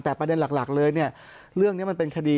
แต่ประเด็นหลักเลยเนี่ยเรื่องนี้มันเป็นคดี